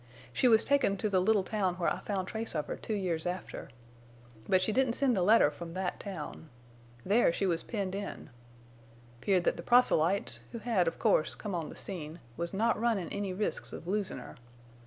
She was taken to the little town where I found trace of her two years after. But she didn't send the letter from that town. There she was penned in. 'Peared that the proselytes, who had, of course, come on the scene, was not runnin' any risks of losin' her.